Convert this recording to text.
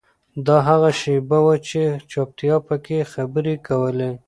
دا هغه شیبه وه چې چوپتیا پکې خبرې کولې.